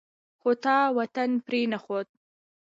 خو تا وطن پرې نه ښود.